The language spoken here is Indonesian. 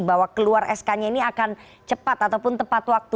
bahwa keluar sk nya ini akan cepat ataupun tepat waktu